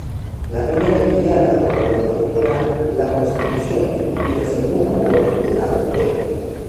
La primera guiada por la locomotora "La Constitución" y la segunda por "La Porteña".